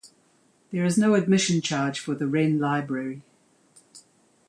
There is no admission charge for the Wren Library.